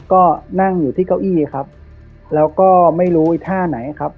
ก็นั่งอยู่ที่เก้าอี้ครับแล้วก็ไม่รู้อีกท่าไหนครับ